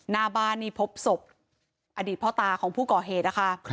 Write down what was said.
หน้าบ้านนี่พบศพอดีตพ่อตาของผู้ก่อเหตุนะคะ